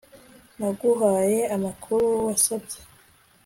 Naguhaye amakuru wasabye